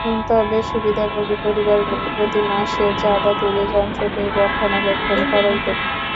তবে সুবিধাভোগী পরিবারগুলো প্রতি মাসে চাঁদা তুলে যন্ত্রটির রক্ষণাবেক্ষণ খরচ দেবে।